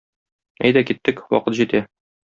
Әйдә, киттек, вакыт җитә.